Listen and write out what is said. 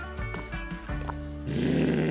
うん。